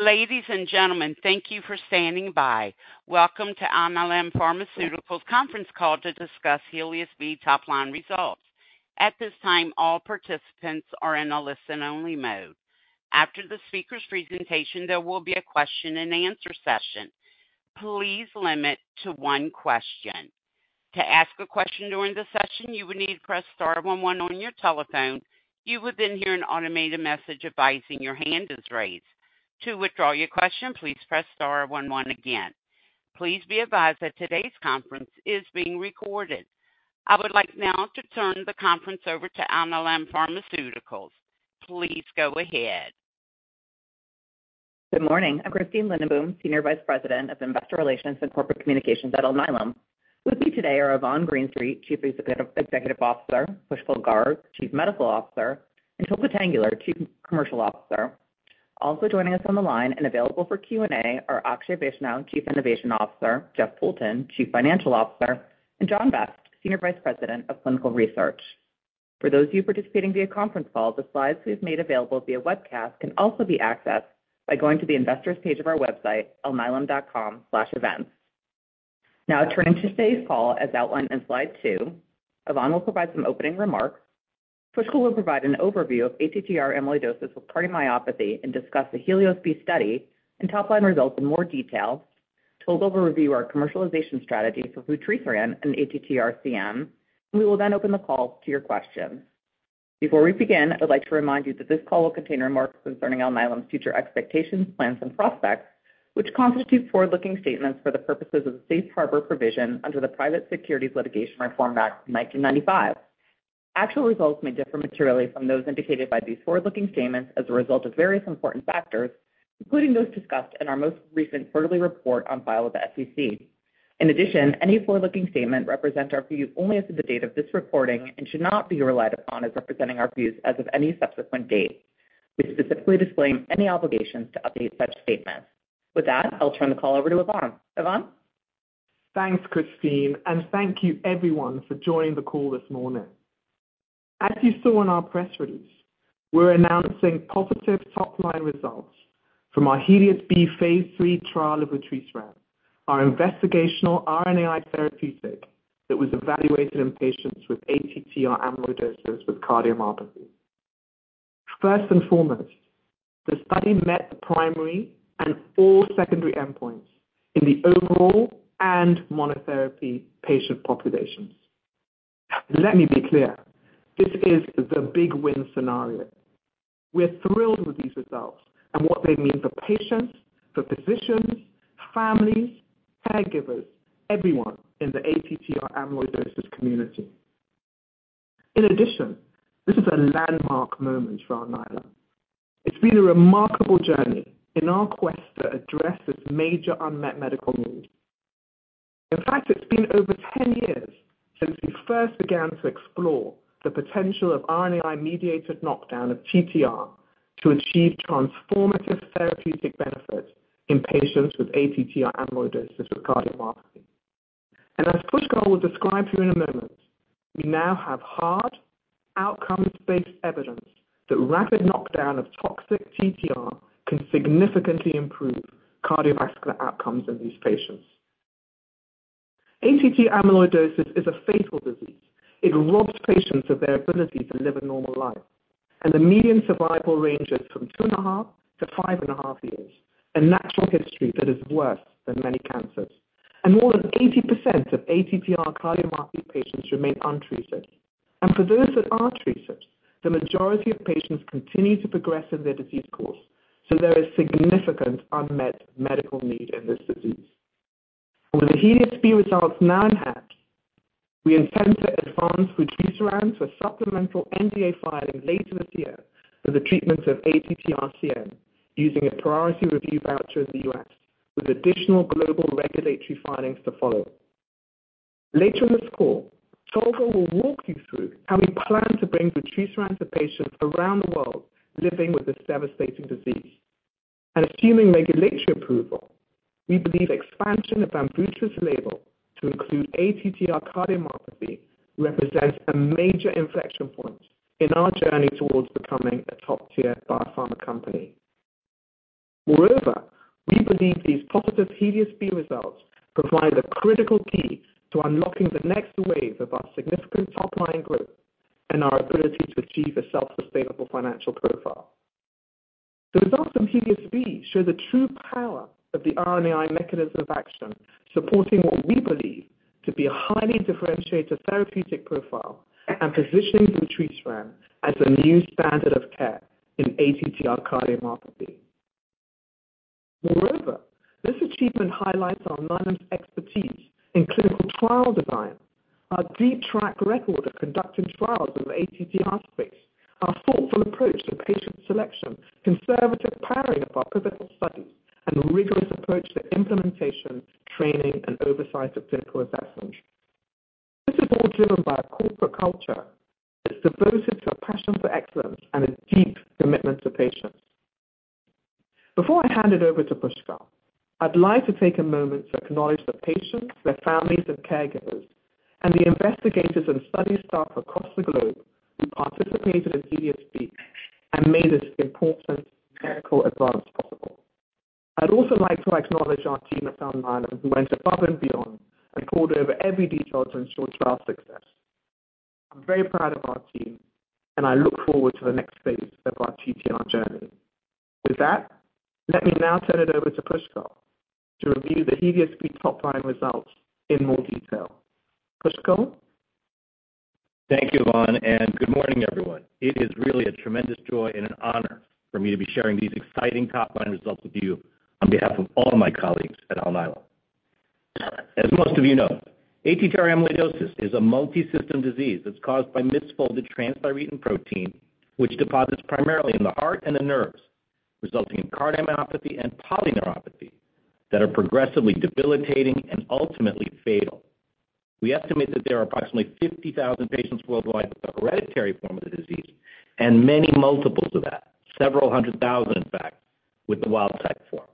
Ladies and gentlemen, thank you for standing by. Welcome to Alnylam Pharmaceuticals' conference call to discuss HELIOS-B top-line results. At this time, all participants are in a listen-only mode. After the speaker's presentation, there will be a question-and-answer session. Please limit to one question. To ask a question during the session, you would need to press star one one on your telephone. You would then hear an automated message advising your hand is raised. To withdraw your question, please press star one one again. Please be advised that today's conference is being recorded. I would like now to turn the conference over to Alnylam Pharmaceuticals. Please go ahead. Good morning. I'm Christine Lindenboom, Senior Vice President of Investor Relations and Corporate Communications at Alnylam. With me today are Yvonne Greenstreet, Chief Executive Officer, Pushkal Garg, Chief Medical Officer, and Tolga Tanguler, Chief Commercial Officer. Also joining us on the line and available for Q&A are Akshay Vaishnaw, Chief Innovation Officer, Jeff Poulton, Chief Financial Officer, and John Vest, Senior Vice President of Clinical Research. For those of you participating via conference call, the slides we've made available via webcast can also be accessed by going to the investors' page of our website, alnylam.com/events. Now, turning to today's call, as outlined in slide two, Yvonne will provide some opening remarks. Pushkal will provide overview of ATTR amyloidosis with cardiomyopathy and discuss the HELIOS-B study and top-line results in more detail. Tolga will review our commercialization strategy for vutrisiran and ATTR-CM, and we will then open the call to your questions. Before we begin, I'd like to remind you that this call will contain remarks concerning Alnylam's future expectations, plans, and prospects, which constitute forward-looking statements for the purposes of the Safe Harbor Provision under the Private Securities Litigation Reform Act of 1995. Actual results may differ materially from those indicated by these forward-looking statements as a result of various important factors, including those discussed in our most recent quarterly report on file with the SEC. In addition, any forward-looking statement represents our views only as of the date of this recording and should not be relied upon as representing our views as of any subsequent date. We specifically disclaim any obligations to update such statements. With that, I'll turn the call over to Yvonne. Yvonne? Thanks, Christine, and thank you everyone for joining the call this morning. As you saw in our press release, we're announcing positive top-line results from our HELIOS-B Phase III trial of vutrisiran, our investigational RNAi therapeutic that was evaluated in patients with ATTR amyloidosis with cardiomyopathy. First and foremost, the study met the primary and all secondary endpoints in the overall and monotherapy patient populations. Let me be clear, this is the big-win scenario. We're thrilled with these results and what they mean for patients, for physicians, families, caregivers, everyone in the ATTR amyloidosis community. In addition, this is a landmark moment for Alnylam. It's been a remarkable journey in our quest to address this major unmet medical need. In fact, it's been over 10 years since we first began to explore the potential of RNAi-mediated knockdown of TTR to achieve transformative therapeutic benefits in patients with ATTR amyloidosis with cardiomyopathy. As Pushkal will describe to you in a moment, we now have hard outcomes-based evidence that rapid knockdown of toxic TTR can significantly improve cardiovascular outcomes in these patients. ATTR amyloidosis is a fatal disease. It robs patients of their ability to live a normal life, and the median survival range is 2.5-5.5 years, a natural history that is worse than many cancers. More than 80% of ATTR cardiomyopathy patients remain untreated. For those that are treated, the majority of patients continue to progress in their disease course, so there is significant unmet medical need in this disease. With the HELIOS-B results now in hand, we intend to advance vutrisiran to a supplemental NDA filing later this year for the treatment of ATTR-CM using a priority review voucher in the U.S., with additional global regulatory filings to follow. Later in this call, Tolga will walk you through how we plan to bring vutrisiran to patients around the world living with this devastating disease. Assuming regulatory approval, we believe expansion of our vutrisiran label to include ATTR cardiomyopathy represents a major inflection point in our journey towards becoming a top-tier biopharma company. Moreover, we believe these positive HELIOS-B results provide a critical key to unlocking the next wave of our significant top-line growth and our ability to achieve a self-sustainable financial profile. The results from HELIOS-B show the true power of the RNAi mechanism of action, supporting what we believe to be a highly differentiated therapeutic profile and positioning vutrisiran as a new standard of care in ATTR cardiomyopathy. Moreover, this achievement highlights Alnylam's expertise in clinical trial design, our deep track record of conducting trials in the ATTR space, our thoughtful approach to patient selection, conservative powering of our clinical studies, and rigorous approach to implementation, training, and oversight of clinical assessments. This is all driven by a corporate culture that's devoted to a passion for excellence and a deep commitment to patients. Before I hand it over to Pushkal, I'd like to take a moment to acknowledge the patients, their families, and caregivers, and the investigators and study staff across the globe who participated in HELIOS-B and made this important medical advance possible. I'd also like to acknowledge our team at Alnylam, who went above and beyond and pored over every detail to ensure trial success. I'm very proud of our team, and I look forward to the next phase of our TTR journey. With that, let me now turn it over to Pushkal to review the HELIOS-B top-line results in more detail. Pushkal? Thank you, Yvonne, and good morning, everyone. It is really a tremendous joy and an honor for me to be sharing these exciting top-line results with you on behalf of all my colleagues at Alnylam. As most of you know, ATTR amyloidosis is a multisystem disease that's caused by misfolded transthyretin protein, which deposits primarily in the heart and the nerves, resulting in cardiomyopathy and polyneuropathy that are progressively debilitating and ultimately fatal. We estimate that there are approximately 50,000 patients worldwide with a hereditary form of the disease and many multiples of that, several hundred thousand, in fact, with the wild-type form.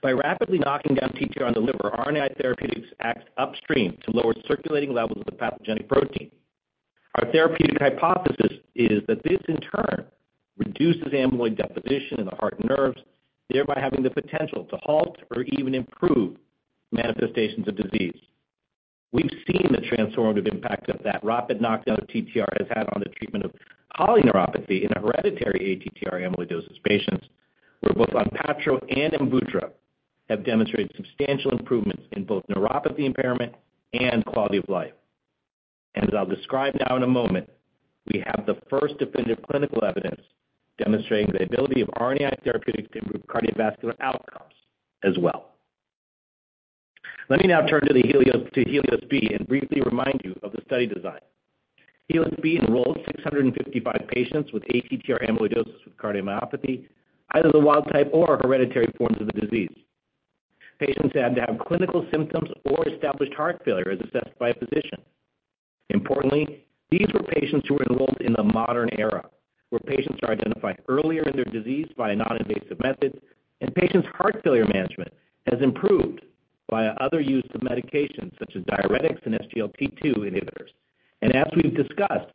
By rapidly knocking down TTR in the liver, RNAi therapeutics act upstream to lower circulating levels of the pathogenic protein. Our therapeutic hypothesis is that this, in turn, reduces amyloid deposition in the heart and nerves, thereby having the potential to halt or even improve manifestations of disease. We've seen the transformative impact that that rapid knockdown of TTR has had on the treatment of polyneuropathy in hereditary ATTR amyloidosis patients, where both Onpattro and Amvuttra have demonstrated substantial improvements in both neuropathy impairment and quality of life. As I'll describe now in a moment, we have the first definitive clinical evidence demonstrating the ability of RNAi therapeutics to improve cardiovascular outcomes as well. Let me now turn to HELIOS-B and briefly remind you of the study design. HELIOS-B enrolled 655 patients with ATTR amyloidosis with cardiomyopathy, either the wild-type or hereditary forms of the disease. Patients had to have clinical symptoms or established heart failure as assessed by a physician. Importantly, these were patients who were enrolled in the modern era, where patients are identified earlier in their disease by a non-invasive method, and patients' heart failure management has improved via other use of medications such as diuretics and SGLT2 inhibitors. As we've discussed,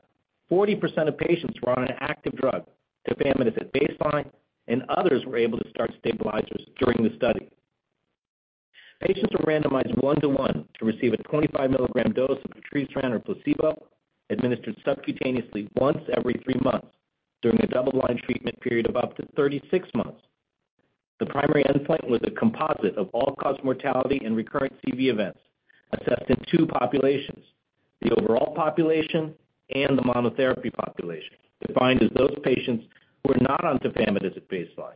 40% of patients were on an active drug. They were on tafamidis at baseline, and others were able to start stabilizers during the study. Patients were randomized 1:1 to receive a 25 mg dose of vutrisiran or placebo, administered subcutaneously once every three months during a double-blind treatment period of up to 36 months. The primary endpoint was a composite of all-cause mortality and recurrent CV events assessed in two populations: the overall population and the monotherapy population, defined as those patients who are not on tafamidis at baseline.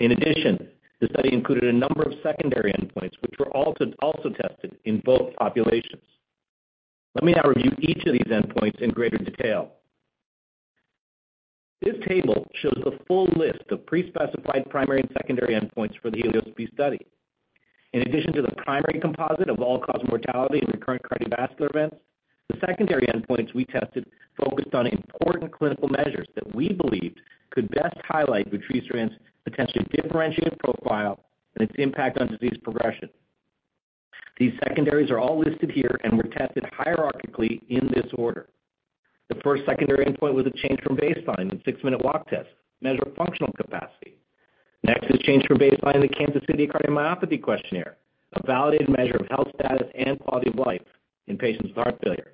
In addition, the study included a number of secondary endpoints, which were also tested in both populations. Let me now review each of these endpoints in greater detail. This table shows the full list of pre-specified primary and secondary endpoints for the HELIOS-B study. In addition to the primary composite of all-cause mortality and recurrent cardiovascular events, the secondary endpoints we tested focused on important clinical measures that we believed could best highlight vutrisiran's potentially differentiated profile and its impact on disease progression. These secondaries are all listed here and were tested hierarchically in this order. The first secondary endpoint was a change from baseline in 6-minute walk tests to measure functional capacity. Next is a change from baseline in the Kansas City Cardiomyopathy Questionnaire, a validated measure of health status and quality of life in patients with heart failure.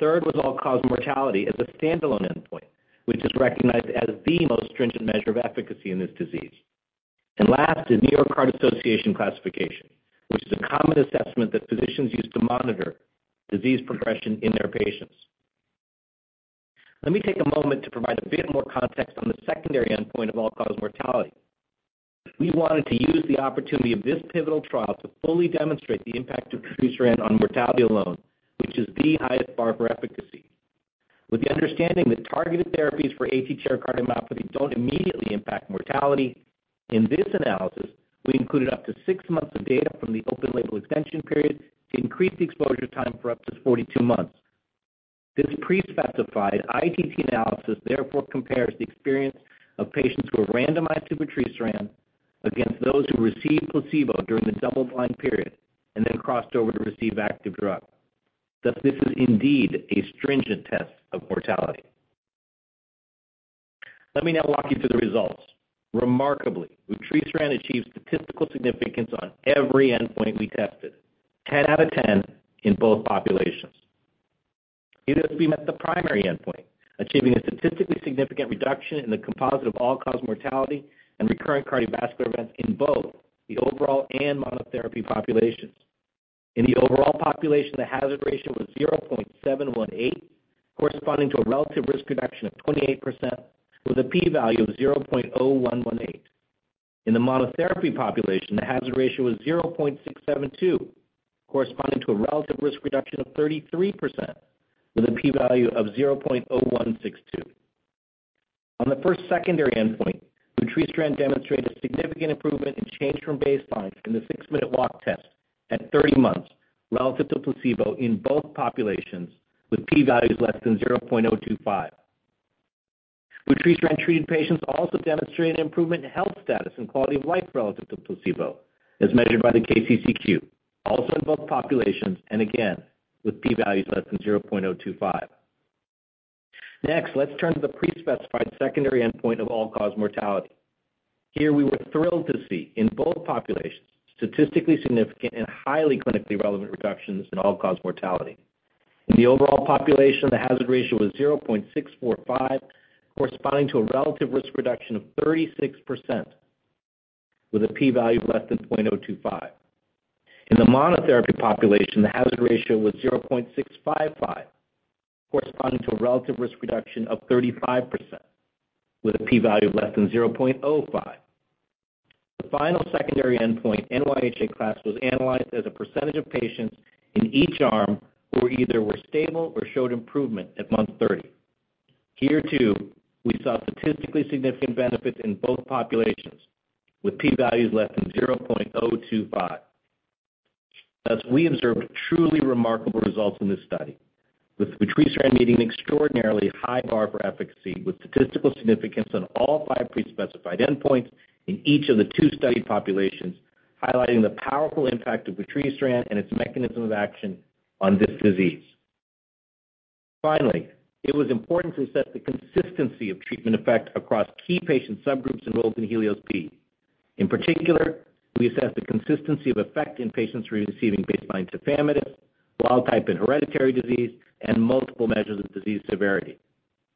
Third was all-cause mortality as a standalone endpoint, which is recognized as the most stringent measure of efficacy in this disease. Last is New York Heart Association classification, which is a common assessment that physicians use to monitor disease progression in their patients. Let me take a moment to provide a bit more context on the secondary endpoint of all-cause mortality. We wanted to use the opportunity of this pivotal trial to fully demonstrate the impact of vutrisiran on mortality alone, which is the highest bar for efficacy. With the understanding that targeted therapies for ATTR cardiomyopathy don't immediately impact mortality, in this analysis, we included up to six months of data from the open-label extension period to increase the exposure time for up to 42 months. This pre-specified ITT analysis therefore compares the experience of patients who are randomized to vutrisiran against those who received placebo during the double-blind period and then crossed over to receive active drug. Thus, this is indeed a stringent test of mortality. Let me now walk you through the results. Remarkably, vutrisiran achieves statistical significance on every endpoint we tested, 10 out of 10 in both populations. HELIOS-B met the primary endpoint, achieving a statistically significant reduction in the composite of all-cause mortality and recurrent cardiovascular events in both the overall and monotherapy populations. In the overall population, the hazard ratio was 0.718, corresponding to a relative risk reduction of 28%, with a p-value of 0.0118. In the monotherapy population, the hazard ratio was 0.672, corresponding to a relative risk reduction of 33%, with a p-value of 0.0162. On the first secondary endpoint, vutrisiran demonstrated a significant improvement in change from baseline in the six-minute walk test at 30 months relative to placebo in both populations, with p-values less than 0.025. vutrisiran-treated patients also demonstrated improvement in health status and quality of life relative to placebo, as measured by the KCCQ, also in both populations, and again, with p-values less than 0.025. Next, let's turn to the pre-specified secondary endpoint of all-cause mortality. Here, we were thrilled to see in both populations statistically significant and highly clinically relevant reductions in all-cause mortality. In the overall population, the hazard ratio was 0.645, corresponding to a relative risk reduction of 36%, with a p-value of less than 0.025. In the monotherapy population, the hazard ratio was 0.655, corresponding to a relative risk reduction of 35%, with a p-value of less than 0.05. The final secondary endpoint, NYHA class, was analyzed as a percentage of patients in each arm who either were stable or showed improvement at month 30. Here, too, we saw statistically significant benefits in both populations, with p-values less than 0.025. Thus, we observed truly remarkable results in this study, with vutrisiran meeting an extraordinarily high bar for efficacy, with statistical significance on all five pre-specified endpoints in each of the two studied populations, highlighting the powerful impact of vutrisiran and its mechanism of action on this disease. Finally, it was important to assess the consistency of treatment effect across key patient subgroups enrolled in HELIOS-B. In particular, we assessed the consistency of effect in patients receiving baseline tafamidis, wild-type and hereditary disease, and multiple measures of disease severity.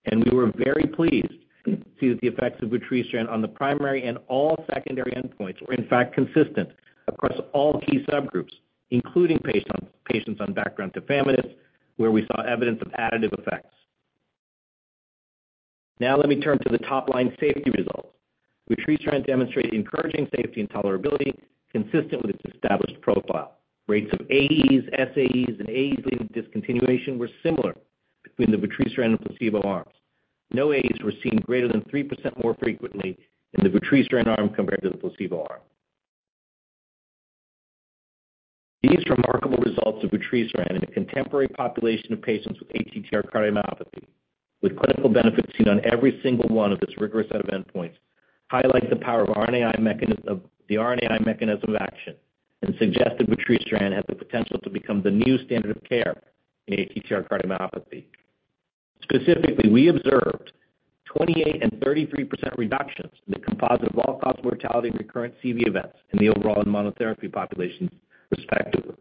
And we were very pleased to see that the effects of vutrisiran on the primary and all secondary endpoints were, in fact, consistent across all key subgroups, including patients on background tafamidis, where we saw evidence of additive effects. Now, let me turn to the top-line safety results. Vutrisiran demonstrated encouraging safety and tolerability, consistent with its established profile. Rates of AEs, SAEs, and AEs leading to discontinuation were similar between the vutrisiran and placebo arms. No AEs were seen greater than 3% more frequently in the vutrisiran arm compared to the placebo arm. These remarkable results of vutrisiran in a contemporary population of patients with ATTR cardiomyopathy, with clinical benefits seen on every single one of this rigorous set of endpoints, highlight the power of the RNAi mechanism of action and suggest that vutrisiran has the potential to become the new standard of care in ATTR cardiomyopathy. Specifically, we observed 28% and 33% reductions in the composite of all-cause mortality and recurrent CV events in the overall and monotherapy populations, respectively,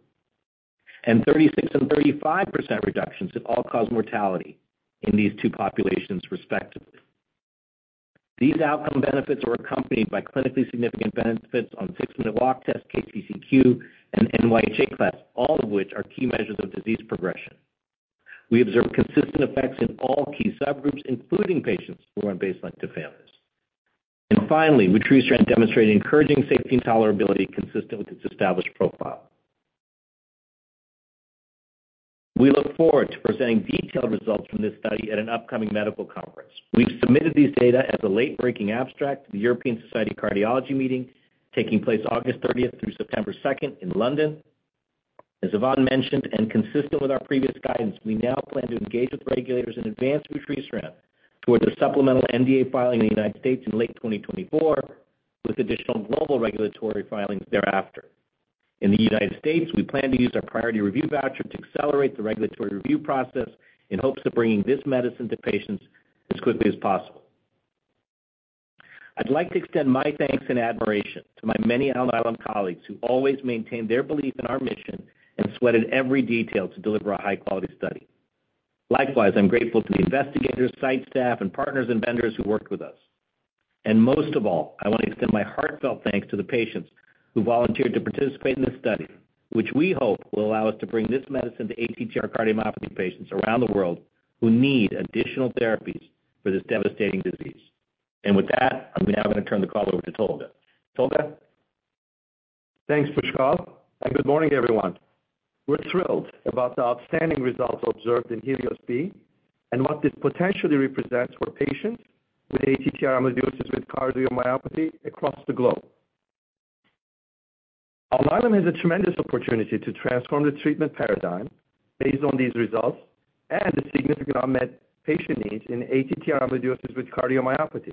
and 36% and 35% reductions in all-cause mortality in these two populations, respectively. These outcome benefits were accompanied by clinically significant benefits on 6-minute walk tests, KCCQ, and NYHA class, all of which are key measures of disease progression. We observed consistent effects in all key subgroups, including patients who are on baseline tafamidis. Finally, vutrisiran demonstrated encouraging safety and tolerability consistent with its established profile. We look forward to presenting detailed results from this study at an upcoming medical conference. We've submitted these data as a late-breaking abstract to the European Society of Cardiology meeting taking place August 30th through September 2nd in London. As Yvonne mentioned, and consistent with our previous guidance, we now plan to engage with regulators and advance vutrisiran towards a supplemental NDA filing in the United States in late 2024, with additional global regulatory filings thereafter. In the United States, we plan to use our priority review voucher to accelerate the regulatory review process in hopes of bringing this medicine to patients as quickly as possible. I'd like to extend my thanks and admiration to my many Alnylam colleagues who always maintained their belief in our mission and sweated every detail to deliver a high-quality study. Likewise, I'm grateful to the investigators, site staff, and partners and vendors who worked with us. And most of all, I want to extend my heartfelt thanks to the patients who volunteered to participate in this study, which we hope will allow us to bring this medicine to ATTR cardiomyopathy patients around the world who need additional therapies for this devastating disease. With that, I'm now going to turn the call over to Tolga. Tolga. Thanks, Pushkal. Good morning, everyone. We're thrilled about the outstanding results observed in HELIOS-B and what this potentially represents for patients with ATTR amyloidosis with cardiomyopathy across the globe. Alnylam has a tremendous opportunity to transform the treatment paradigm based on these results and the significant unmet patient needs in ATTR amyloidosis with cardiomyopathy.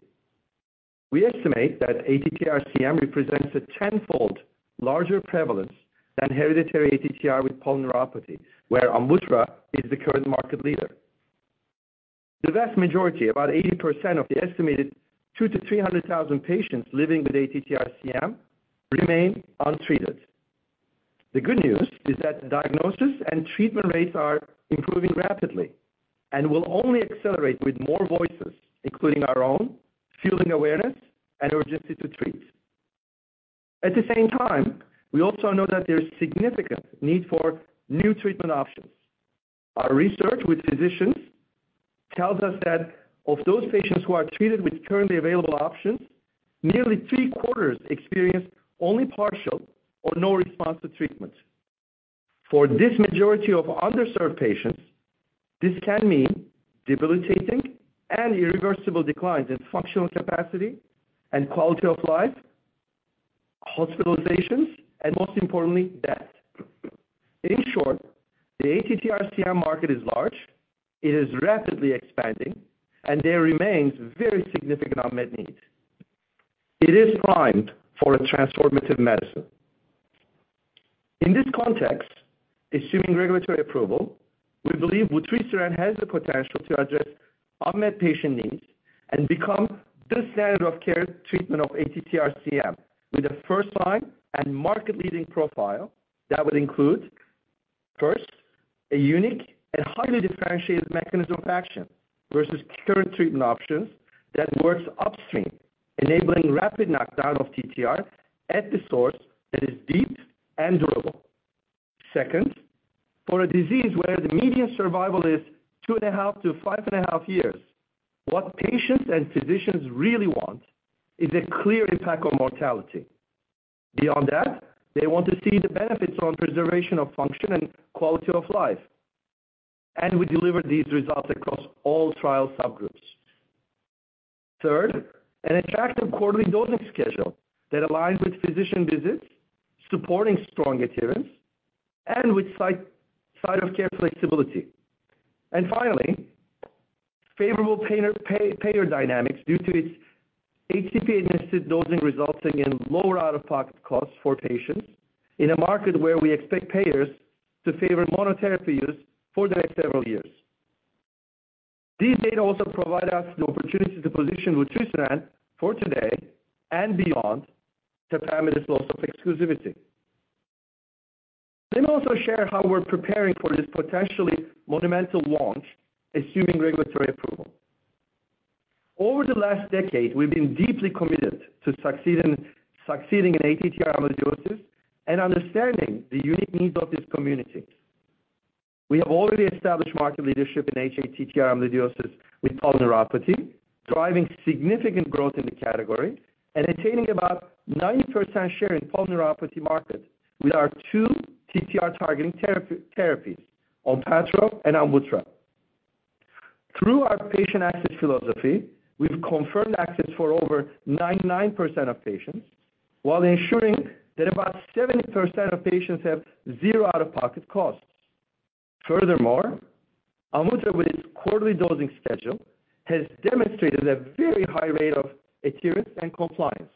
We estimate that ATTR-CM represents a tenfold larger prevalence than hereditary ATTR with polyneuropathy, where AMVUTTRA is the current market leader. The vast majority, about 80%, of the estimated 2,000 to 300,000 patients living with ATTR-CM remain untreated. The good news is that the diagnosis and treatment rates are improving rapidly and will only accelerate with more voices, including our own, fueling awareness and urgency to treat. At the same time, we also know that there's significant need for new treatment options. Our research with physicians tells us that of those patients who are treated with currently available options, nearly three-quarters experience only partial or no response to treatment. For this majority of underserved patients, this can mean debilitating and irreversible declines in functional capacity and quality of life, hospitalizations, and most importantly, death. In short, the ATTR-CM market is large, it is rapidly expanding, and there remains very significant unmet needs. It is primed for a transformative medicine. In this context, assuming regulatory approval, we believe vutrisiran has the potential to address unmet patient needs and become the standard of care treatment of ATTR-CM with a first-line and market-leading profile that would include, first, a unique and highly differentiated mechanism of action versus current treatment options that works upstream, enabling rapid knockdown of TTR at the source that is deep and durable. Second, for a disease where the median survival is 2.5-5.5 years, what patients and physicians really want is a clear impact on mortality. Beyond that, they want to see the benefits on preservation of function and quality of life. We deliver these results across all trial subgroups. Third, an attractive quarterly dosing schedule that aligns with physician visits, supporting strong adherence, and with side-of-care flexibility. Finally, favorable payer dynamics due to its HCP-adjusted dosing resulting in lower out-of-pocket costs for patients in a market where we expect payers to favor monotherapy use for the next several years. These data also provide us the opportunity to position Amvuttra for today and beyond to tafamidis loss of exclusivity. Let me also share how we're preparing for this potentially monumental launch, assuming regulatory approval. Over the last decade, we've been deeply committed to succeeding in ATTR amyloidosis and understanding the unique needs of this community. We have already established market leadership in hATTR amyloidosis with polyneuropathy, driving significant growth in the category and attaining about 90% share in polyneuropathy market with our two TTR-targeting therapies, Onpattro and Amvuttra. Through our patient access philosophy, we've confirmed access for over 99% of patients, while ensuring that about 70% of patients have zero out-of-pocket costs. Furthermore, Amvuttra, with its quarterly dosing schedule, has demonstrated a very high rate of adherence and compliance.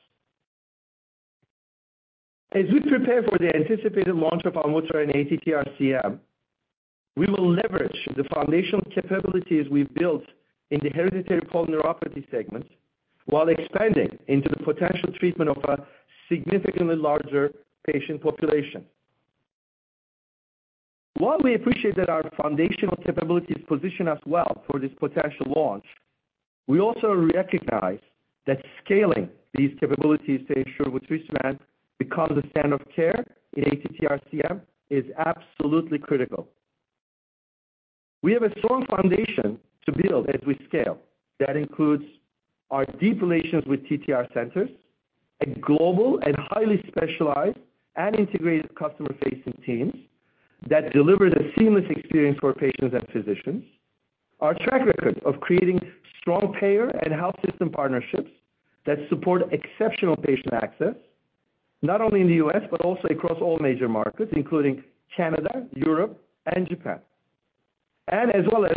As we prepare for the anticipated launch of Amvuttra in ATTR-CM, we will leverage the foundational capabilities we've built in the hereditary polyneuropathy segment while expanding into the potential treatment of a significantly larger patient population. While we appreciate that our foundational capabilities position us well for this potential launch, we also recognize that scaling these capabilities to ensure vutrisiran becomes a standard of care in ATTR-CM is absolutely critical. We have a strong foundation to build as we scale that includes our deep relations with TTR centers, a global and highly specialized and integrated customer-facing team that delivers a seamless experience for patients and physicians, our track record of creating strong payer and health system partnerships that support exceptional patient access, not only in the U.S., but also across all major markets, including Canada, Europe, and Japan, and as well as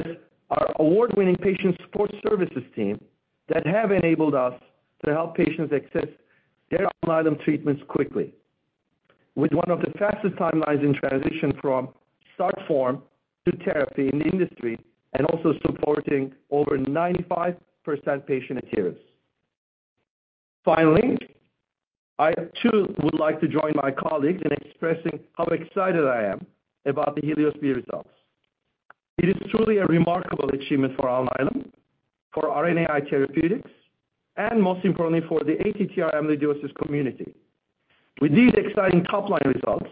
our award-winning patient support services team that have enabled us to help patients access their Alnylam treatments quickly, with one of the fastest timelines in transition from start form to therapy in the industry and also supporting over 95% patient adherence. Finally, I too would like to join my colleagues in expressing how excited I am about the HELIOS-B results. It is truly a remarkable achievement for Alnylam, for RNAi therapeutics, and most importantly, for the ATTR amyloidosis community. With these exciting top-line results,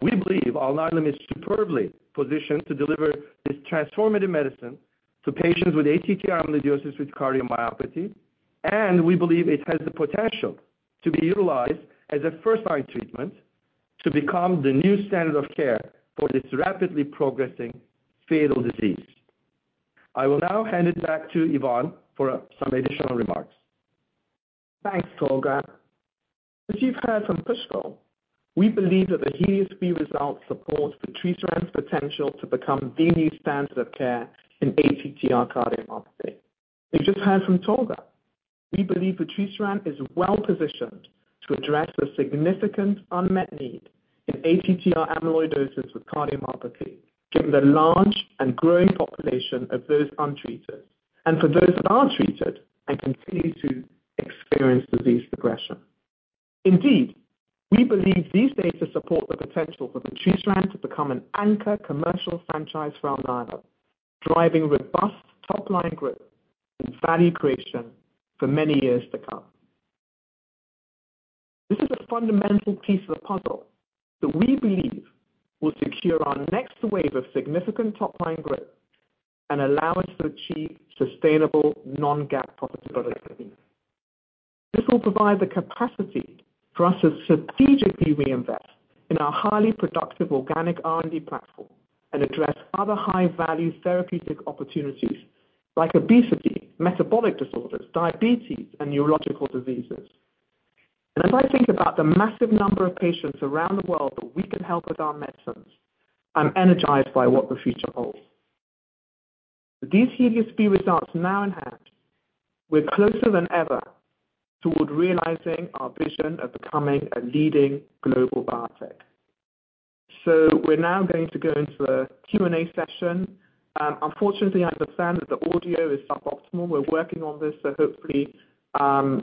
we believe Alnylam is superbly positioned to deliver this transformative medicine to patients with ATTR amyloidosis with cardiomyopathy. And we believe it has the potential to be utilized as a first-line treatment to become the new standard of care for this rapidly progressing fatal disease. I will now hand it back to Yvonne for some additional remarks. Thanks, Tolga. As you've heard from Pushkal, we believe that the HELIOS-B results support vutrisiran's potential to become the new standard of care in ATTR cardiomyopathy. As you've just heard from Tolga, we believe vutrisiran is well positioned to address the significant unmet need in ATTR amyloidosis with cardiomyopathy given the large and growing population of those untreated and for those that are treated and continue to experience disease progression. Indeed, we believe these data support the potential for vutrisiran to become an anchor commercial franchise for Alnylam, driving robust top-line growth and value creation for many years to come. This is a fundamental piece of the puzzle that we believe will secure our next wave of significant top-line growth and allow us to achieve sustainable non-GAAP profitability. This will provide the capacity for us to strategically reinvest in our highly productive organic R&D platform and address other high-value therapeutic opportunities like obesity, metabolic disorders, diabetes, and neurological diseases. And as I think about the massive number of patients around the world that we can help with our medicines, I'm energized by what the future holds. With these HELIOS-B results now in hand, we're closer than ever toward realizing our vision of becoming a leading global biotech. So we're now going to go into the Q&A session. Unfortunately, I understand that the audio is suboptimal. We're working on this, so hopefully,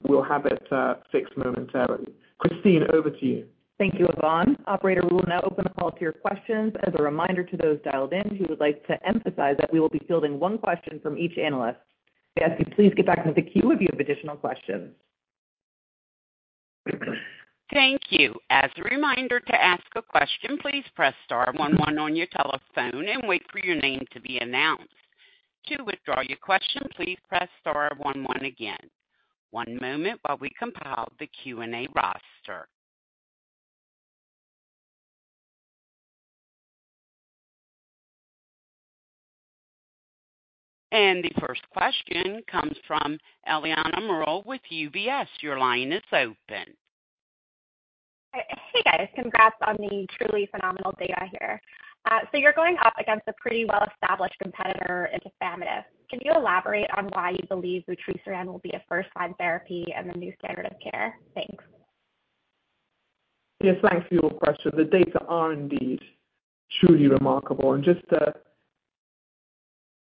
we'll have it fixed momentarily. Christine, over to you. Thank you, Yvonne. Operator, we will now open the call to your questions. As a reminder to those dialed in, we would like to emphasize that we will be fielding one question from each analyst. We ask that you please get back into the queue if you have additional questions. Thank you. As a reminder to ask a question, please press star one one on your telephone and wait for your name to be announced. To withdraw your question, please press star one one again. One moment while we compile the Q&A roster. The first question comes from Eliana Merle with UBS. Your line is open. Hey, guys. Congrats on the truly phenomenal data here. So you're going up against a pretty well-established competitor, tafamidis. Can you elaborate on why you believe vutrisiran will be a first-line therapy and the new standard of care? Thanks. Yes, thanks for your question. The data are indeed truly remarkable. Just to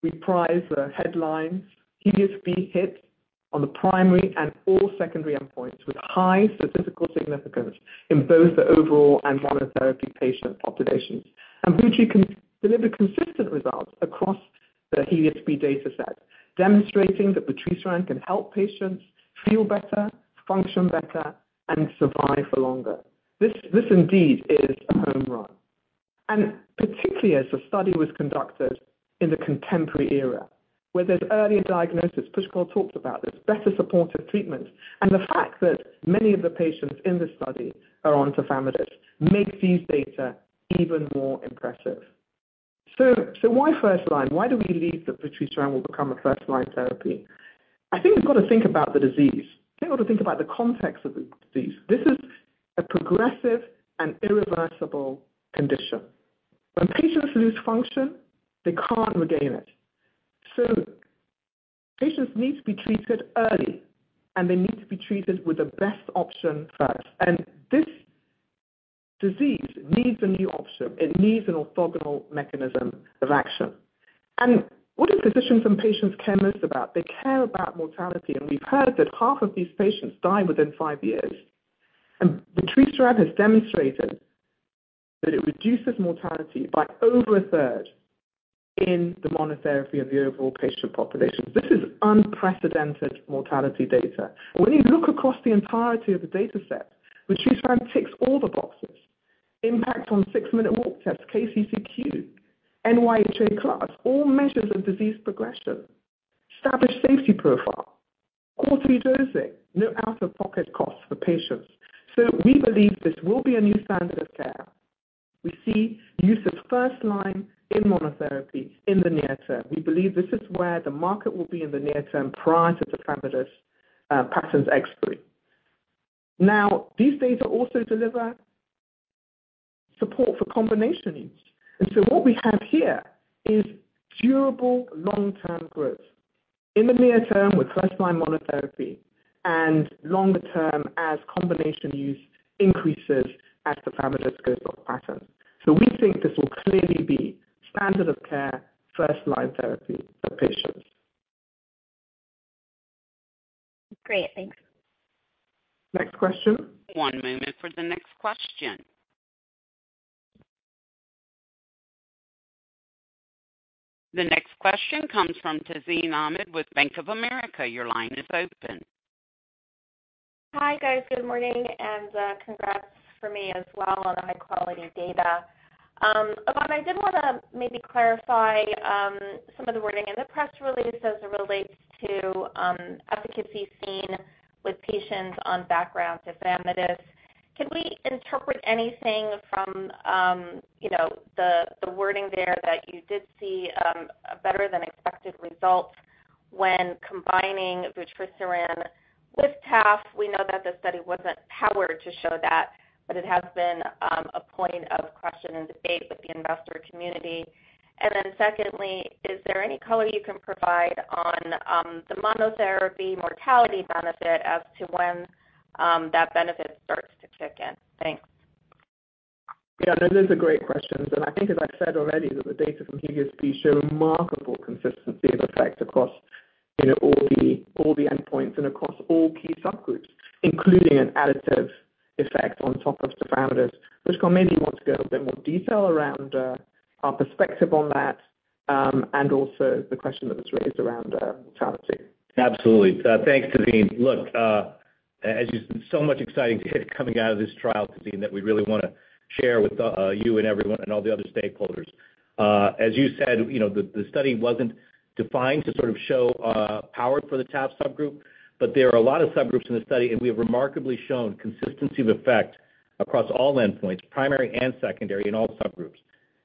reprise the headlines, HELIOS-B hits on the primary and all secondary endpoints with high statistical significance in both the overall and monotherapy patient populations. Amvuttra can deliver consistent results across the HELIOS-B data set, demonstrating that Amvuttra can help patients feel better, function better, and survive for longer. This indeed is a home run. And particularly as the study was conducted in the contemporary era, where there's earlier diagnosis, Pushkal talked about this, better supportive treatments, and the fact that many of the patients in the study are on tafamidis makes these data even more impressive. Why first-line? Why do we believe that Amvuttra will become a first-line therapy? I think we've got to think about the disease. I think we've got to think about the context of the disease. This is a progressive and irreversible condition. When patients lose function, they can't regain it. So patients need to be treated early, and they need to be treated with the best option first. This disease needs a new option. It needs an orthogonal mechanism of action. What do physicians and patients care most about? They care about mortality. We've heard that half of these patients die within five years. Vutrisiran has demonstrated that it reduces mortality by over a third in the monotherapy of the overall patient population. This is unprecedented mortality data. When you look across the entirety of the data set, vutrisiran ticks all the boxes: impact on 6-minute walk tests, KCCQ, NYHA class, all measures of disease progression, established safety profile, quarterly dosing, no out-of-pocket costs for patients. We believe this will be a new standard of care. We see use of first-line in monotherapy in the near term. We believe this is where the market will be in the near term prior to tafamidis patent's expiry. Now, these data also deliver support for combination use. And so what we have here is durable long-term growth in the near term with first-line monotherapy and longer term as combination use increases as tafamidis goes off patent. So we think this will clearly be standard of care, first-line therapy for patients. Great. Thanks. Next question. One moment for the next question. The next question comes from Tazeen Ahmad with Bank of America. Your line is open. Hi, guys. Good morning. And congrats for me as well on the high-quality data. Yvonne, I did want to maybe clarify some of the wording in the press release as it relates to efficacy seen with patients on background tafamidis. Can we interpret anything from the wording there that you did see better-than-expected results when combining vutrisiran with TAF? We know that the study wasn't powered to show that, but it has been a point of question and debate with the investor community. And then secondly, is there any color you can provide on the monotherapy mortality benefit as to when that benefit starts to kick in? Thanks. Yeah, those are great questions. And I think, as I've said already, that the data from HELIOS-B show remarkable consistency of effect across all the endpoints and across all key subgroups, including an additive effect on top of tafamidis. Pushkal maybe wants to go into a bit more detail around our perspective on that and also the question that was raised around mortality. Absolutely. Thanks, Tazeen. Look, so much exciting coming out of this trial, Tazeen, that we really want to share with you and everyone and all the other stakeholders. As you said, the study wasn't defined to sort of show power for the TAF subgroup, but there are a lot of subgroups in the study, and we have remarkably shown consistency of effect across all endpoints, primary and secondary, in all subgroups.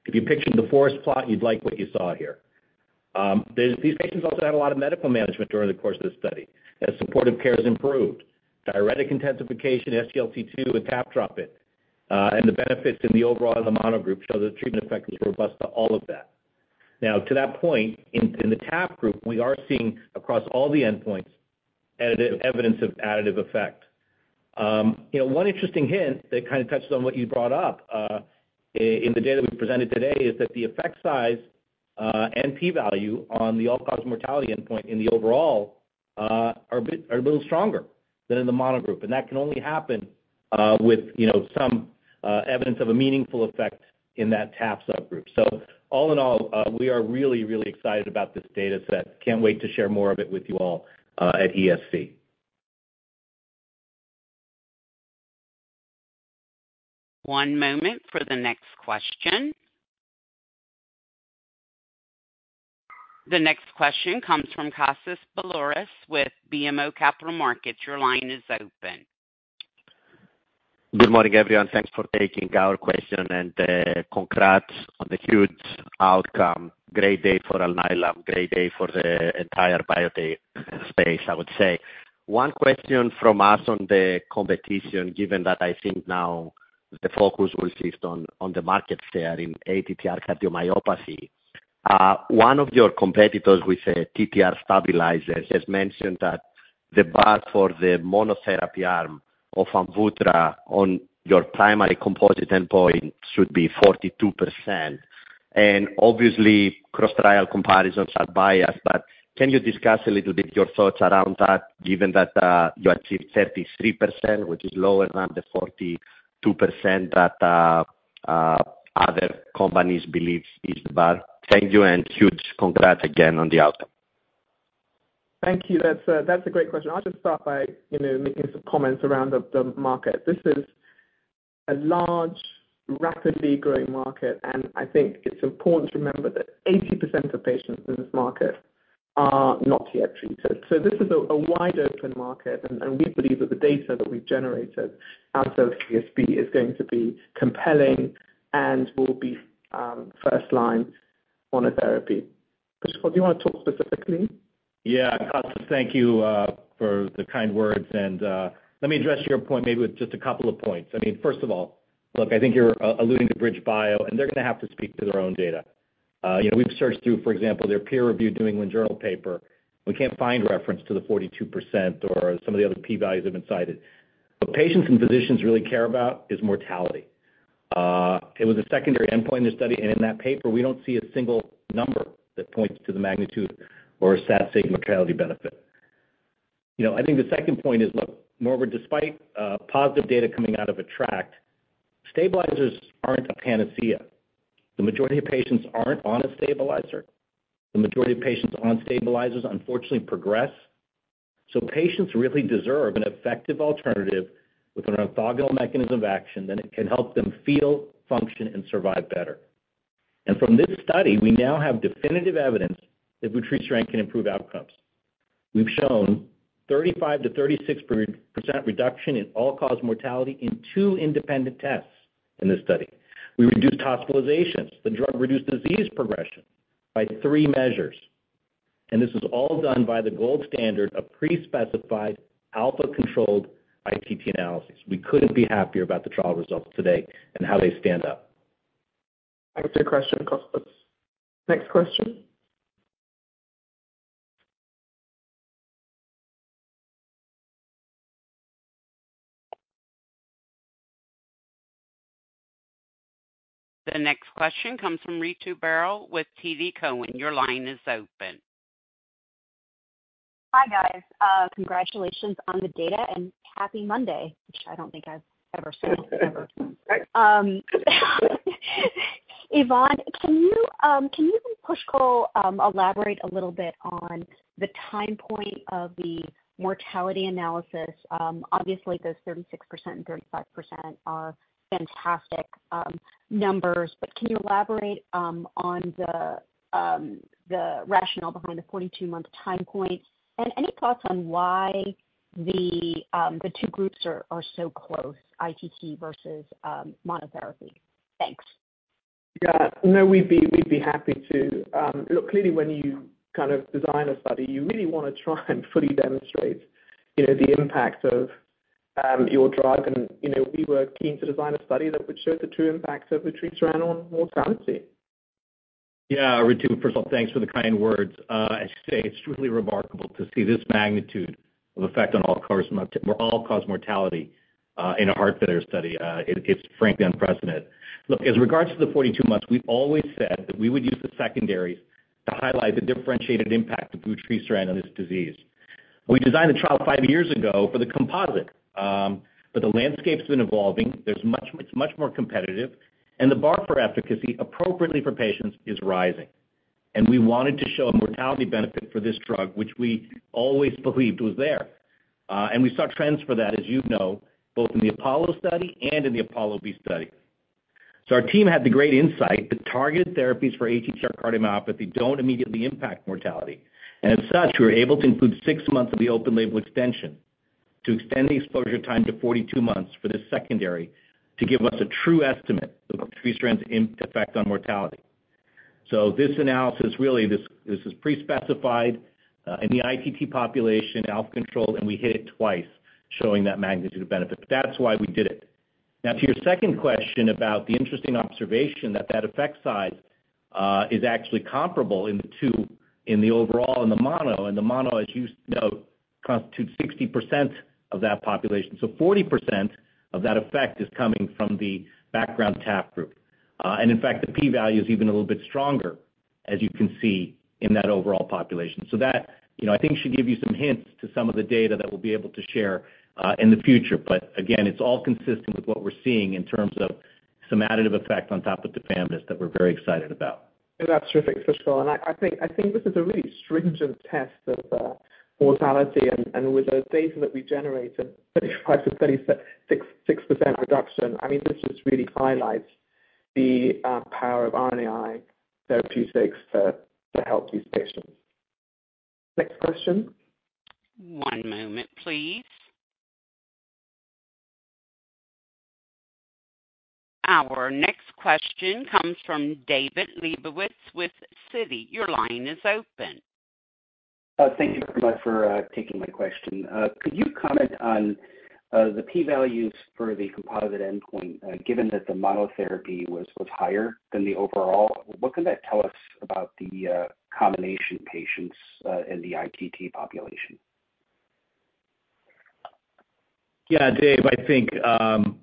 If you pictured the forest plot, you'd like what you saw here. These patients also had a lot of medical management during the course of the study. As supportive care has improved, diuretic intensification, SGLT2, and TAF dropping, and the benefits in the overall and the mono group show that the treatment effect was robust to all of that. Now, to that point, in the TAF group, we are seeing across all the endpoints evidence of additive effect. One interesting hint that kind of touches on what you brought up in the data we presented today is that the effect size and p-value on the all-cause mortality endpoint in the overall are a little stronger than in the mono group. And that can only happen with some evidence of a meaningful effect in that TAF subgroup. So all in all, we are really, really excited about this data set. Can't wait to share more of it with you all at ESC. One moment for the next question. The next question comes from Kostas Biliouris with BMO Capital Markets. Your line is open. Good morning, everyone. Thanks for taking our question, and congrats on the huge outcome. Great day for Alnylam, great day for the entire biotech space, I would say. One question from us on the competition, given that I think now the focus will shift on the market share in ATTR cardiomyopathy. One of your competitors with TTR stabilizers has mentioned that the bar for the monotherapy arm of Amvuttra on your primary composite endpoint should be 42%. And obviously, cross-trial comparisons are biased, but can you discuss a little bit your thoughts around that, given that you achieved 33%, which is lower than the 42% that other companies believe is the bar? Thank you, and huge congrats again on the outcome. Thank you. That's a great question. I'll just start by making some comments around the market. This is a large, rapidly growing market, and I think it's important to remember that 80% of patients in this market are not yet treated. So this is a wide-open market, and we believe that the data that we've generated out of HELIOS-B is going to be compelling and will be first-line monotherapy. Pushkal, do you want to talk specifically? Yeah. Kostas, thank you for the kind words. Let me address your point maybe with just a couple of points. I mean, first of all, look, I think you're alluding to BridgeBio, and they're going to have to speak to their own data. We've searched through, for example, their peer-reviewed New England Journal paper. We can't find reference to the 42% or some of the other p-values they've been cited. What patients and physicians really care about is mortality. It was a secondary endpoint in the study, and in that paper, we don't see a single number that points to the magnitude or a statistically significant mortality benefit. I think the second point is, look, no doubt, despite positive data coming out of ATTRibute, stabilizers aren't a panacea. The majority of patients aren't on a stabilizer. The majority of patients on stabilizers, unfortunately, progress. So patients really deserve an effective alternative with an orthogonal mechanism of action that can help them feel, function, and survive better. And from this study, we now have definitive evidence that vutrisiran can improve outcomes. We've shown a 35%-36% reduction in all-cause mortality in two independent tests in this study. We reduced hospitalizations. The drug reduced disease progression by three measures. And this is all done by the gold standard of pre-specified alpha-controlled ITT analyses. We couldn't be happier about the trial results today and how they stand up. Thanks for your question, Kostas. Next question. The next question comes from Ritu Baral with TD Cowen. Your line is open. Hi, guys. Congratulations on the data and happy Monday, which I don't think I've ever said before. Yvonne, can you and Pushkal elaborate a little bit on the time point of the mortality analysis? Obviously, those 36% and 35% are fantastic numbers, but can you elaborate on the rationale behind the 42-month time point? And any thoughts on why the two groups are so close, ITT versus monotherapy? Thanks. Yeah. No, we'd be happy to. Look, clearly, when you kind of design a study, you really want to try and fully demonstrate the impact of your drug. And we were keen to design a study that would show the true impact of vutrisiran on mortality. Yeah. Ritu, first of all, thanks for the kind words. As you say, it's truly remarkable to see this magnitude of effect on all-cause mortality in a heart failure study. It's frankly unprecedented. Look, as regards to the 42 months, we've always said that we would use the secondaries to highlight the differentiated impact of vutrisiran on this disease. We designed the trial five years ago for the composite, but the landscape's been evolving. It's much more competitive, and the bar for efficacy appropriately for patients is rising. And we wanted to show a mortality benefit for this drug, which we always believed was there. And we saw trends for that, as you know, both in the APOLLO study and in the APOLLO-B study. So our team had the great insight that targeted therapies for ATTR cardiomyopathy don't immediately impact mortality. And as such, we were able to include 6 months of the open-label extension to extend the exposure time to 42 months for the secondary to give us a true estimate of vutrisiran's effect on mortality. So this analysis, really, this is pre-specified in the ITT population, alpha-controlled, and we hit it twice, showing that magnitude of benefit. That's why we did it. Now, to your second question about the interesting observation that that effect size is actually comparable in the overall and the mono, and the mono, as you know, constitutes 60% of that population. So 40% of that effect is coming from the background TAF group. And in fact, the p-value is even a little bit stronger, as you can see, in that overall population. So that, I think, should give you some hints to some of the data that we'll be able to share in the future. But again, it's all consistent with what we're seeing in terms of some additive effect on top of tafamidis that we're very excited about. That's terrific, Pushkal. I think this is a really stringent test of mortality. With the data that we generated, 35%-36% reduction, I mean, this just really highlights the power of RNAi therapeutics to help these patients. Next question. One moment, please. Our next question comes from David Lebovitz with Citi. Your line is open. Thank you very much for taking my question. Could you comment on the p-values for the composite endpoint, given that the monotherapy was higher than the overall? What can that tell us about the combination patients in the ITT population? Yeah, Dave, I think,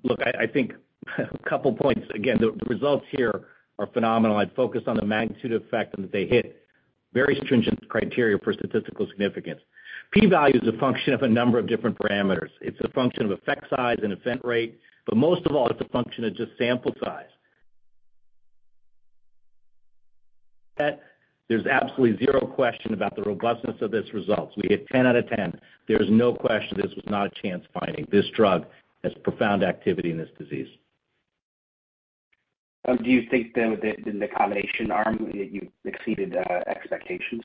look, I think a couple of points. Again, the results here are phenomenal. I'd focus on the magnitude of effect and that they hit very stringent criteria for statistical significance. p-value is a function of a number of different parameters. It's a function of effect size and event rate, but most of all, it's a function of just sample size. There's absolutely zero question about the robustness of this result. We hit 10 out of 10. There is no question this was not a chance finding. This drug has profound activity in this disease. Do you think, then, with the combination arm, that you exceeded expectations?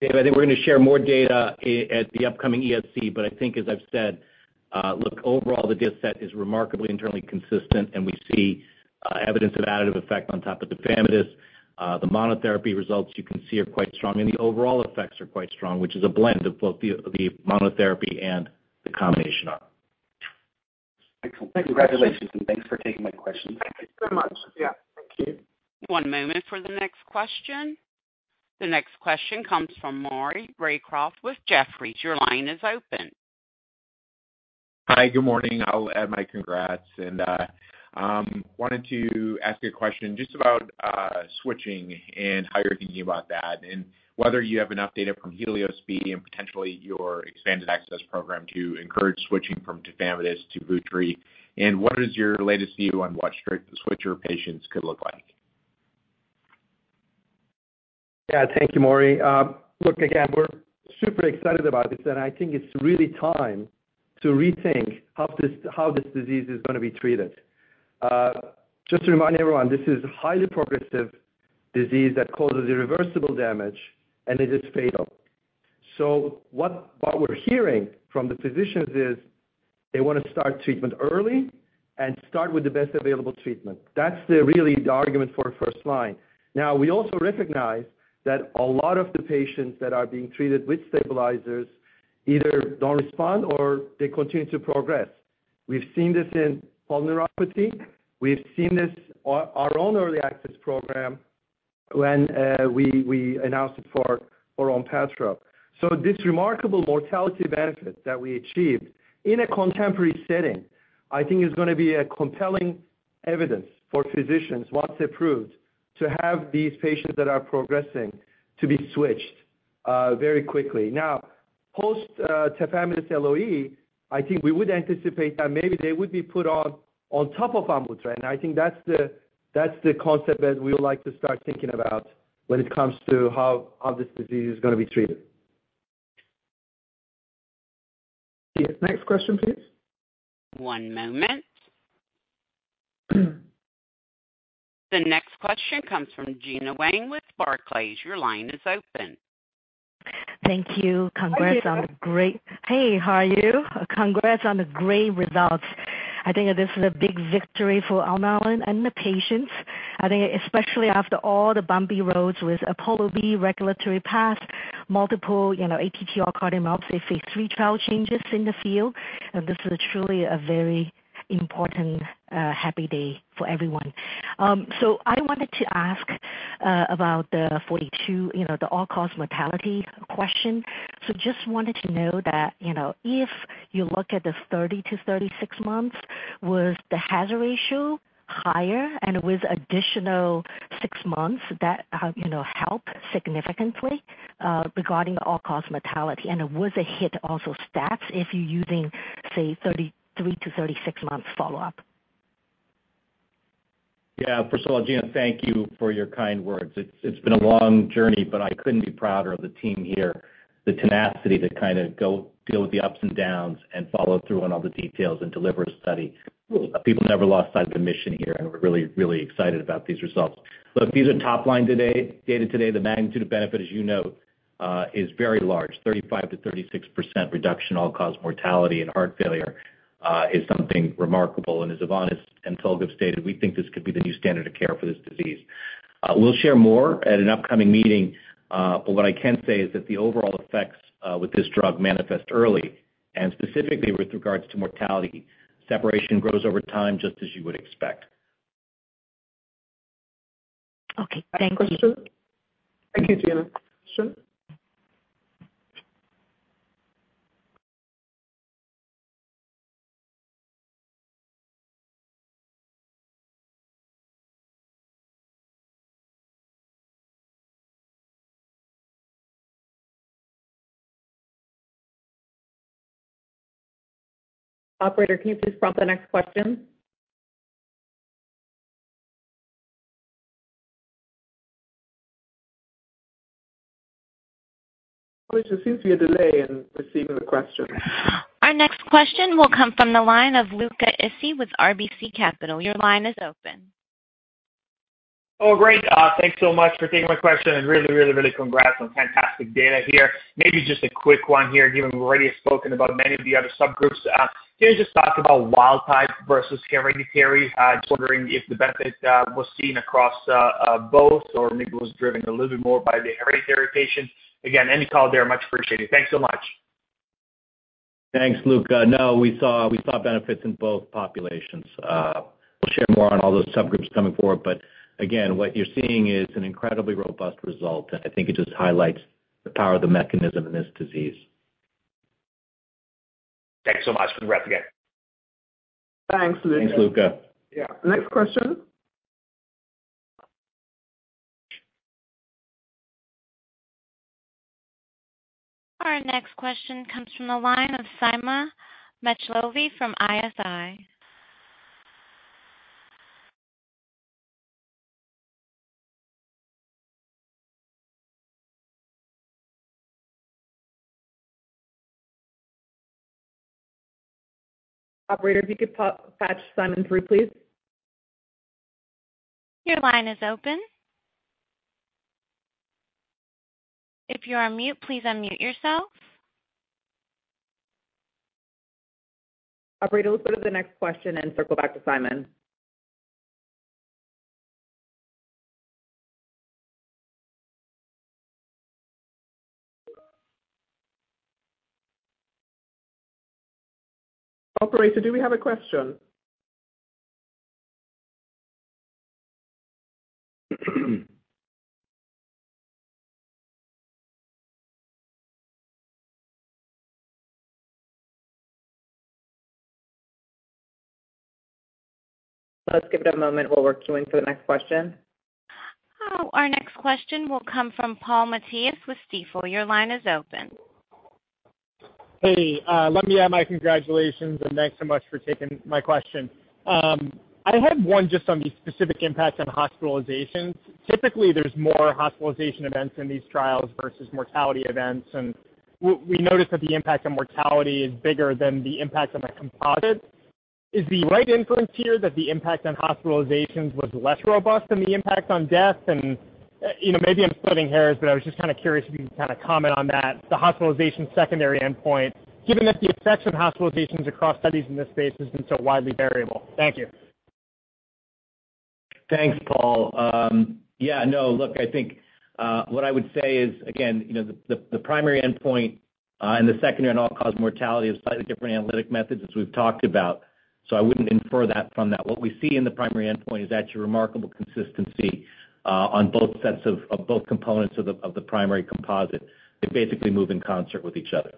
Dave, I think we're going to share more data at the upcoming ESC, but I think, as I've said, look, overall, the data set is remarkably internally consistent, and we see evidence of additive effect on top of tafamidis. The monotherapy results you can see are quite strong, and the overall effects are quite strong, which is a blend of both the monotherapy and the combination arm. Excellent. Congratulations, and thanks for taking my questions. Thank you very much. Yeah. Thank you. One moment for the next question. The next question comes from Maury Raycroft with Jefferies. Your line is open. Hi, good morning. I'll add my congrats. I wanted to ask a question just about switching and how you're thinking about that and whether you have enough data from Helios B and potentially your expanded access program to encourage switching from tafamidis to vutrisiran and what is your latest view on what switcher patients could look like? Yeah. Thank you, Maury. Look, again, we're super excited about this, and I think it's really time to rethink how this disease is going to be treated. Just to remind everyone, this is a highly progressive disease that causes irreversible damage, and it is fatal. So what we're hearing from the physicians is they want to start treatment early and start with the best available treatment. That's really the argument for first-line. Now, we also recognize that a lot of the patients that are being treated with stabilizers either don't respond or they continue to progress. We've seen this in polyneuropathy. We've seen this in our own early access program when we announced it for Onpattro. So this remarkable mortality benefit that we achieved in a contemporary setting, I think, is going to be compelling evidence for physicians, once approved, to have these patients that are progressing to be switched very quickly. Now, post-Tafamidis LOE, I think we would anticipate that maybe they would be put on top of Amvuttra, and I think that's the concept that we would like to start thinking about when it comes to how this disease is going to be treated. Next question, please. One moment. The next question comes from Gina Wang with Barclays. Your line is open. Thank you. Congrats on the great hey, how are you? Congrats on the great results. I think this is a big victory for Alnylam and the patients, I think, especially after all the bumpy roads with APOLLO-B regulatory path, multiple ATTR cardiomyopathy, Phase III trial changes in the field. And this is truly a very important happy day for everyone. So I wanted to ask about the 42, the all-cause mortality question. So just wanted to know that if you look at the 30-36 months, was the hazard ratio higher? And with additional 6 months, did that help significantly regarding the all-cause mortality? And was it hit also stats if you're using, say, 33-36 months follow-up? Yeah. First of all, Gina, thank you for your kind words. It's been a long journey, but I couldn't be prouder of the team here, the tenacity to kind of go deal with the ups and downs and follow through on all the details and deliver a study. People never lost sight of the mission here, and we're really, really excited about these results. Look, these are top-line data today. The magnitude of benefit, as you know, is very large. 35%-36% reduction in all-cause mortality and heart failure is something remarkable. And as Yvonne and Tolga have stated, we think this could be the new standard of care for this disease. We'll share more at an upcoming meeting, but what I can say is that the overall effects with this drug manifest early. And specifically, with regards to mortality, separation grows over time, just as you would expect. Okay. Thank you, Pushkal. Thank you, Gina. Pushkal. Operator, can you please prompt the next question? There seems to be a delay in receiving the question. Our next question will come from the line of Luca Issi with RBC Capital. Your line is open. Oh, great. Thanks so much for taking my question and really, really, really congrats on fantastic data here. Maybe just a quick one here, given we've already spoken about many of the other subgroups. Can you just talk about wild-type versus hereditary? Just wondering if the benefit was seen across both or maybe was driven a little bit more by the hereditary patient. Again, any color there, much appreciated. Thanks so much. Thanks, Luca. No, we saw benefits in both populations. We'll share more on all those subgroups coming forward. But again, what you're seeing is an incredibly robust result, and I think it just highlights the power of the mechanism in this disease. Thanks so much. Congrats again. Thanks, Luca. Thanks, Luca. Yeah. Next question. Our next question comes from the line of Saima Mejlovi from ISI. Operator, if you could patch Simon through, please. Your line is open. If you're on mute, please unmute yourself. Operator, let's go to the next question and circle back to Simon. Operator, do we have a question? Let's give it a moment. We'll work you into the next question. Our next question will come from Paul Matteis with Stifel. Your line is open. Hey. Let me add my congratulations and thanks so much for taking my question. I had one just on the specific impact on hospitalizations. Typically, there's more hospitalization events in these trials versus mortality events, and we noticed that the impact on mortality is bigger than the impact on the composite. Is the right inference here that the impact on hospitalizations was less robust than the impact on death? And maybe I'm splitting hairs, but I was just kind of curious if you could kind of comment on that, the hospitalization secondary endpoint, given that the effects of hospitalizations across studies in this space have been so widely variable. Thank you. Thanks, Paul. Yeah. No, look, I think what I would say is, again, the primary endpoint and the secondary and all-cause mortality have slightly different analytic methods, as we've talked about. So I wouldn't infer that from that. What we see in the primary endpoint is actually remarkable consistency on both sets of both components of the primary composite. They basically move in concert with each other.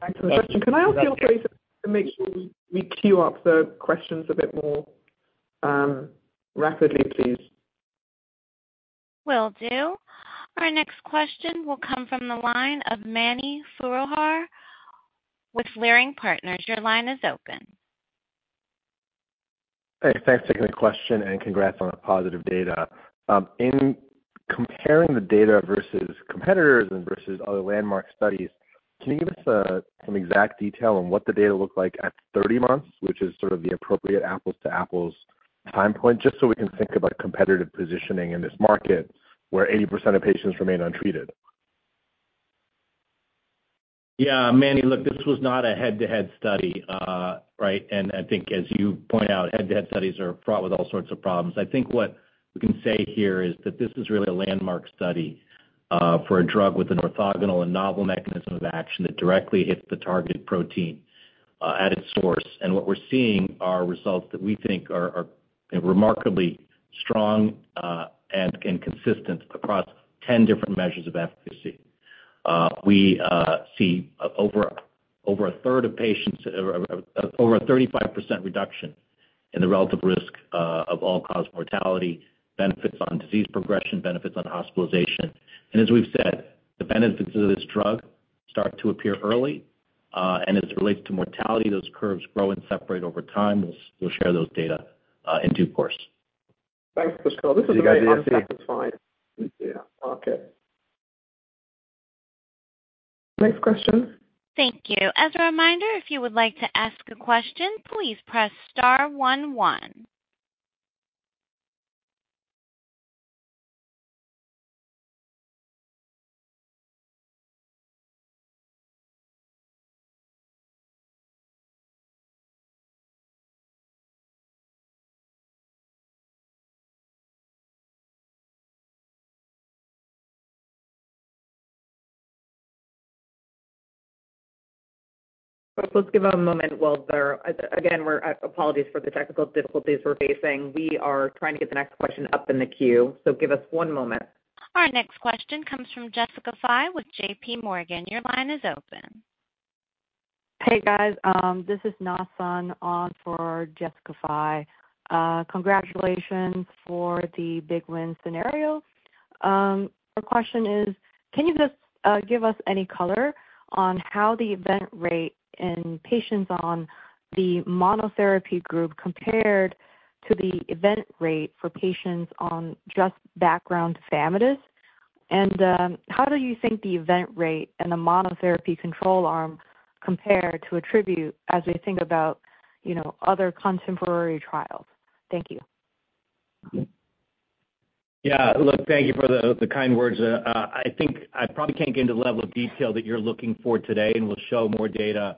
Thanks for the question. Can I ask you a favor to make sure we queue up the questions a bit more rapidly, please? Will do. Our next question will come from the line of Mani Foroohar with Leerink Partners. Your line is open. Hey. Thanks for taking the question and congrats on the positive data. In comparing the data versus competitors and versus other landmark studies, can you give us some exact detail on what the data looked like at 30 months, which is sort of the appropriate apples-to-apples time point, just so we can think about competitive positioning in this market where 80% of patients remain untreated? Yeah. Mani, look, this was not a head-to-head study, right? And I think, as you point out, head-to-head studies are fraught with all sorts of problems. I think what we can say here is that this is really a landmark study for a drug with an orthogonal and novel mechanism of action that directly hits the target protein at its source. And what we're seeing are results that we think are remarkably strong and consistent across 10 different measures of efficacy. We see over a third of patients over a 35% reduction in the relative risk of all-cause mortality, benefits on disease progression, benefits on hospitalization. And as we've said, the benefits of this drug start to appear early. And as it relates to mortality, those curves grow and separate over time. We'll share those data in due course. Thanks, Pushkal. This is amazing. This is fine. Yeah. Okay. Next question. Thank you. As a reminder, if you would like to ask a question, please press star 11. Let's give a moment. Apologies for the technical difficulties we're facing. We are trying to get the next question up in the queue. So give us one moment. Our next question comes from Jessica Fye with J.P. Morgan. Your line is open. Hey, guys. This is Nason, in for Jessica Fye. Congratulations for the big win scenario. Our question is, can you just give us any color on how the event rate in patients on the monotherapy group compared to the event rate for patients on just background tafamidis? And how do you think the event rate and the monotherapy control arm compare to ATTRibute as we think about other contemporary trials? Thank you. Yeah. Look, thank you for the kind words. I think I probably can't get into the level of detail that you're looking for today and will show more data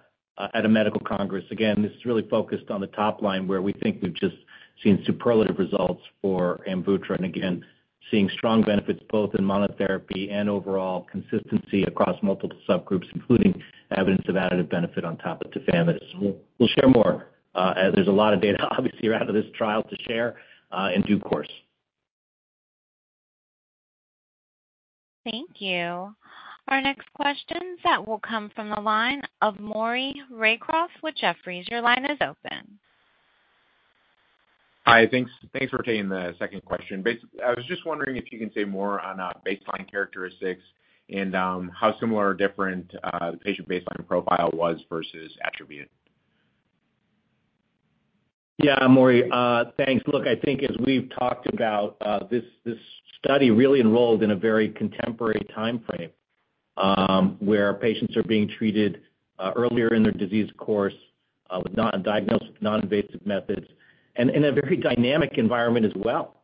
at a medical congress. Again, this is really focused on the top line where we think we've just seen superlative results for Amvuttra and, again, seeing strong benefits both in monotherapy and overall consistency across multiple subgroups, including evidence of additive benefit on top of tafamidis. We'll share more. There's a lot of data, obviously, around this trial to share in due course. Thank you. Our next question that will come from the line of Maury Raycroft with Jefferies. Your line is open. Hi. Thanks for taking the second question. I was just wondering if you can say more on baseline characteristics and how similar or different the patient baseline profile was versus ATTRibute. Yeah, Maury, thanks. Look, I think as we've talked about, this study really enrolled in a very contemporary time frame where patients are being treated earlier in their disease course with non-invasive methods and in a very dynamic environment as well,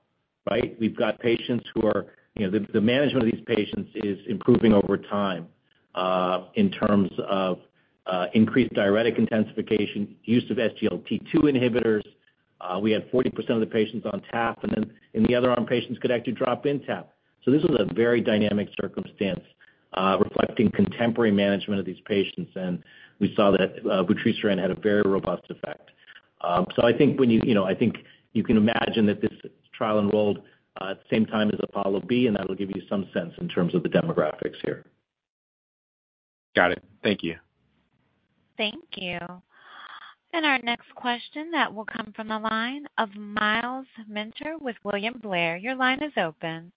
right? We've got patients who are the management of these patients is improving over time in terms of increased diuretic intensification, use of SGLT2 inhibitors. We had 40% of the patients on Taf, and then in the other arm, patients could actually drop in Taf. So this was a very dynamic circumstance reflecting contemporary management of these patients. And we saw that vutrisiran had a very robust effect. So I think when you I think you can imagine that this trial enrolled at the same time as APOLLO-B, and that'll give you some sense in terms of the demographics here. Got it. Thank you. Thank you. Our next question that will come from the line of Myles Minter with William Blair. Your line is open.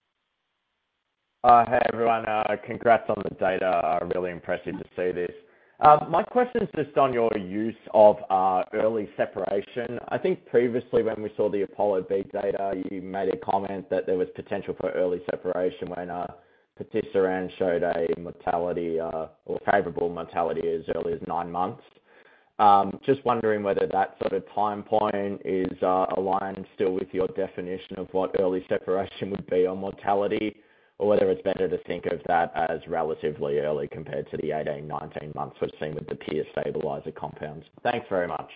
Hey, everyone. Congrats on the data. Really impressive to say the least. My question is just on your use of early separation. I think previously when we saw the APOLLO-B data, you made a comment that there was potential for early separation when vutrisiran showed a mortality or favorable mortality as early as nine months. Just wondering whether that sort of time point is aligned still with your definition of what early separation would be on mortality or whether it's better to think of that as relatively early compared to the 18, 19 months we've seen with the peer stabilizer compounds. Thanks very much.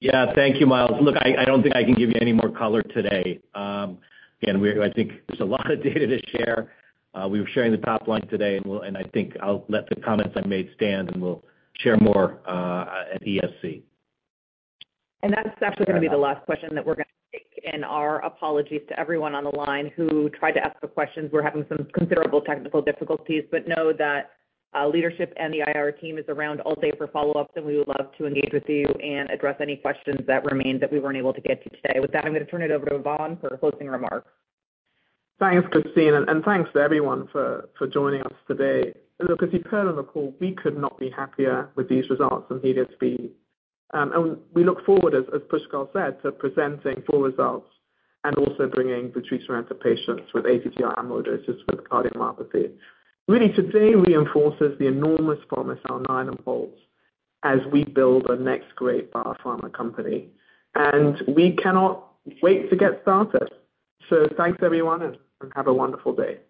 Yeah. Thank you, Miles. Look, I don't think I can give you any more color today. Again, I think there's a lot of data to share. We were sharing the top line today, and I think I'll let the comments I made stand, and we'll share more at ESC. That's actually going to be the last question that we're going to take. Our apologies to everyone on the line who tried to ask the questions. We're having some considerable technical difficulties, but know that leadership and the IR team is around all day for follow-ups, and we would love to engage with you and address any questions that remain that we weren't able to get to today. With that, I'm going to turn it over to Yvonne for closing remarks. Thanks, Christine. Thanks to everyone for joining us today. Look, as you've heard on the call, we could not be happier with these results in HELIOS-B. We look forward, as Pushkal said, to presenting full results and also bringing vutrisiran to patients with ATTR amyloidosis with cardiomyopathy. Really, today reinforces the enormous promise our RNAi upholds as we build the next great biopharma company. We cannot wait to get started. Thanks, everyone, and have a wonderful day.